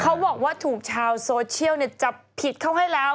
เขาบอกว่าถูกชาวโซเชียลจับผิดเขาให้แล้ว